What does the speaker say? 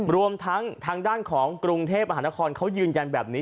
รวมทั้งทางด้านของกรุงเทพมหานครเขายืนยันแบบนี้